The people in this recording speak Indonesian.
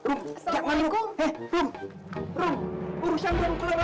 rum jangan rum rum rum urusin dulu keluar rum